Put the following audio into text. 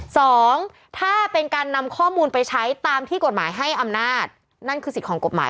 สองถ้าเป็นการนำข้อมูลไปใช้ตามที่กฎหมายให้อำนาจนั่นคือสิทธิ์ของกฎหมาย